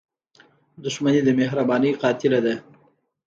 • دښمني د مهربانۍ قاتله ده.